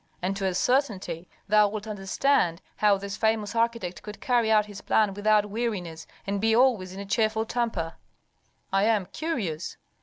And to a certainty thou wilt understand how this famous architect could carry out his plan without weariness and be always in a cheerful temper." "I am curious."